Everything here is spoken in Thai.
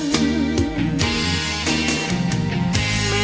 เหนือเท่านั้น